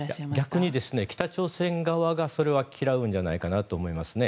逆に、北朝鮮側がそれを嫌うのではないかと思いますね。